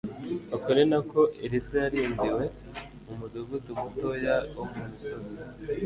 Uko ni nako Elisa yarindiwe mu mudugudu mutoya wo mu misozi.